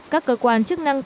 các cơ quan chức năng tỉnh